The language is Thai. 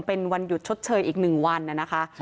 เป็นวันหยุดชดเชยอีก๑วันนะคะ